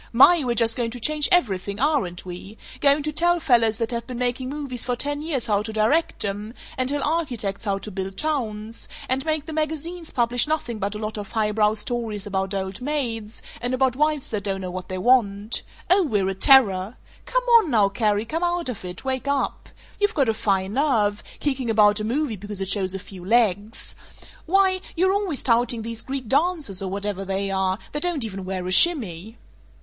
"My, we're just going to change everything, aren't we! Going to tell fellows that have been making movies for ten years how to direct 'em; and tell architects how to build towns; and make the magazines publish nothing but a lot of highbrow stories about old maids, and about wives that don't know what they want. Oh, we're a terror! ... Come on now, Carrie; come out of it; wake up! You've got a fine nerve, kicking about a movie because it shows a few legs! Why, you're always touting these Greek dancers, or whatever they are, that don't even wear a shimmy!"